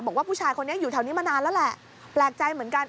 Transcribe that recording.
บอกว่าผู้ชายคนนี้อยู่แถวนี้มานานแล้วแหละแปลกใจเหมือนกัน